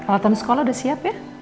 alatan sekolah udah siap ya